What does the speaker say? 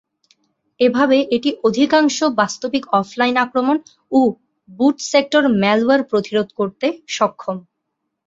এভাবে এটি অধিকাংশ বাস্তবিক অফলাইন আক্রমণ ও বুট সেক্টর ম্যালওয়্যার প্রতিরোধ করতে সক্ষম।